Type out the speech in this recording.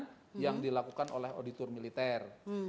yang dilakukan oleh auditor militer